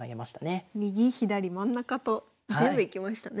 右左真ん中と全部いきましたね。